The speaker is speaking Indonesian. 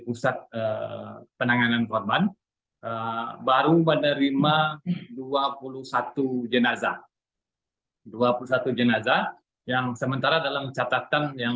pusat penanganan korban baru menerima dua puluh satu jenazah dua puluh satu jenazah yang sementara dalam catatan yang